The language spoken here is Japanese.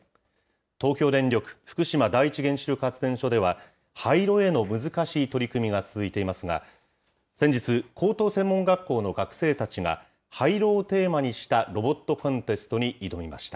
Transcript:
東京電力福島第一原子力発電所では、廃炉への難しい取り組みが続いていますが、先日、高等専門学校の学生たちが廃炉をテーマにしたロボットコンテストに挑みました。